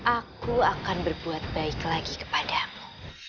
aku akan berbuat baik lagi kepadamu